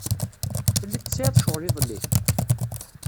Telliḍ tesɛiḍ ccɣel iḍelli?